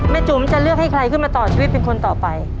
จุ๋มจะเลือกให้ใครขึ้นมาต่อชีวิตเป็นคนต่อไป